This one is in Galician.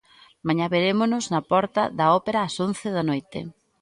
Mañá verémonos na porta da Ópera ás once da noite.